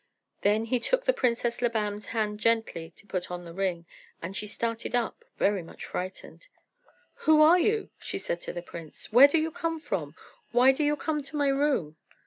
Then he took the Princess Labam's hand gently to put on the ring, and she started up very much frightened. "Who are you?" she said to the prince. "Where do you come from? Why do you come to my room?"